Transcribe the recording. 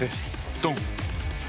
ドン！